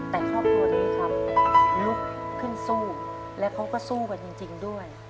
แต่ครอบครัวนี้ครับลุกขึ้นสู้และเขาก็สู้กันจริงด้วย